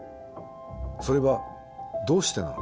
それはどうしてなのか？